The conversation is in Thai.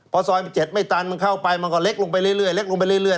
พอซอย๗ไม่ตันมันเข้าไปมันก็เล็กลงไปเรื่อย